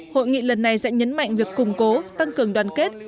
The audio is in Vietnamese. hội nghị lần này sẽ nhấn mạnh việc củng cố tăng cường đoàn kết